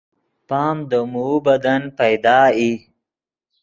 پام دے موؤ بدن پیدا ای